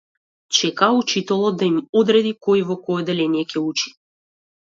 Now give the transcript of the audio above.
Чекаа учителот да им определи кој во кое одделение ќе учи.